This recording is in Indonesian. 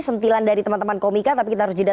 sentilan dari teman teman komika tapi kita harus jeda